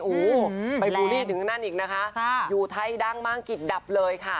โอ้โหไปบูลลี่ถึงนั่นอีกนะคะอยู่ไทยดังมากกิจดับเลยค่ะ